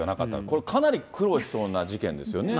これ、かなり苦労しそうな事件ですよね。